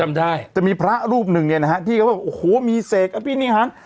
จำได้จะมีพระรูปหนึ่งเนี่ยนะฮะที่เขาบอกโอ้โหมีเสกอภินิหาร